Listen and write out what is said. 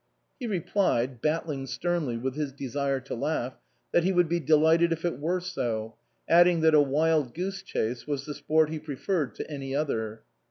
He replied (battling sternly with his desire to laugh) that he would be delighted if it were so ; adding that a wild goose chase was the sport he preferred to any other.